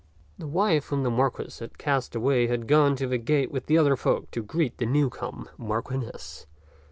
The wife whom the Marquis had cast away had gone to the gate with the other folk to greet the newcome Marchioness.